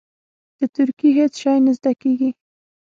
د تورکي هېڅ شى نه زده کېده.